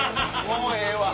もうええわ。